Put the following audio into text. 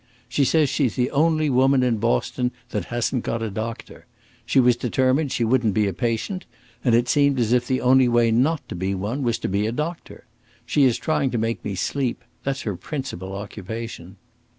She says she's the only woman in Boston that hasn't got a doctor. She was determined she wouldn't be a patient, and it seemed as if the only way not to be one was to be a doctor. She is trying to make me sleep; that's her principal occupation."